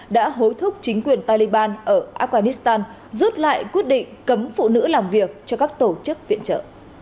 đã hối thúc chính quyền taliban ở afghanistan rút lại quyết định cấm phụ nữ làm việc cho các tổ chức viện trợ